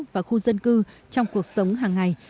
và khu dân cư trong cuộc sống hàng ngày